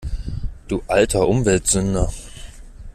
Du alter Umweltsünder!